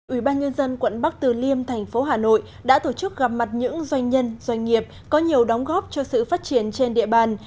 ủy ban nhân dân quận bắc từ liêm thành phố hà nội đã tổ chức gặp mặt những doanh nhân doanh nghiệp có nhiều đóng góp cho sự phát triển trên địa bàn